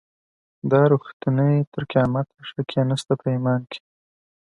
دا ریښتونی تر قیامته شک یې نسته په ایمان کي